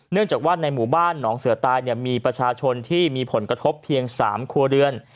เนื่องจากว่าในหมู่บ้านหนองเสือตายมีประชาชนที่มีผลกระทบเพียง๓ครัวเรือน